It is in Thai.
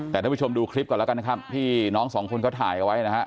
แต่ท่านผู้ชมดูคลิปก่อนแล้วกันนะครับที่น้องสองคนเขาถ่ายเอาไว้นะฮะ